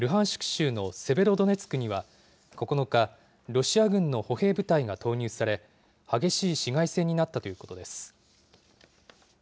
州のセベロドネツクには９日、ロシア軍の歩兵部隊が投入され、激しい市街戦になったということです。